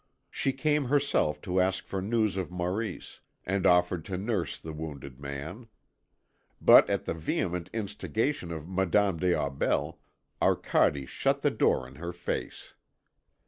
She came herself to ask for news of Maurice, and offered to nurse the wounded man. But at the vehement instigation of Madame des Aubels, Arcade shut the door in her face.